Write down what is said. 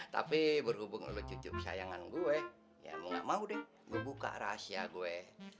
tapi berhubung lo cucuk sayangan gue ya lo gak mau deh gue buka rahasia gue